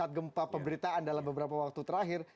saat gempa pemberitaan dalam beberapa waktu terakhir